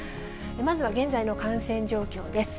まずは現在の感染状況です。